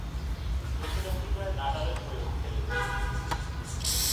দক্ষিণ আফ্রিকায় নাটালের হয়েও খেলেছেন কিং।